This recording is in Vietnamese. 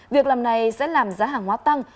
việc làm này sẽ làm giá hàng hóa tăng